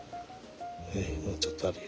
もうちょっとあるよ。